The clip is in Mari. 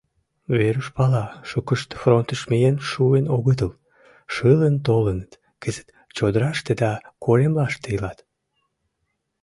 Веруш пала, шукышт фронтыш миен шуын огытыл, шылын толыныт, кызыт чодыраште да коремлаште илат.